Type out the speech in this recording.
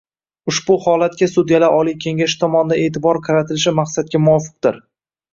Ushbu holatga Sudyalar Oliy kengashi tomonidan e’tibor qaratilishi maqsadga muvofiqdir